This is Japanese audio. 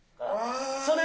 ああ。